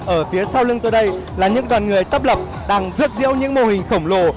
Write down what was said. ở phía sau lưng tôi đây là những đoàn người tấp lập đang rước diễu những mô hình khổng lồ